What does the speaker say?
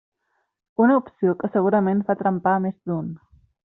Una opció que segurament fa trempar més d'un.